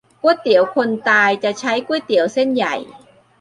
ก๋วยเตี๋ยวคนตาย จะใช้ก๋วยเตี๋ยวเส้นใหญ่